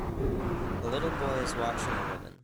A little boy is watching a woman.